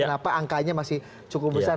kenapa angkanya masih cukup besar